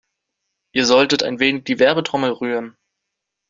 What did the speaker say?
Ihr solltet ein wenig die Werbetrommel rühren.